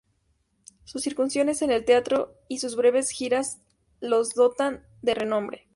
Sus incursiones en el Teatro y sus breves giras los dotan de renombre.